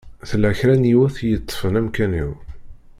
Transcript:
Tella kra n yiwet i yeṭṭfen amkan-iw.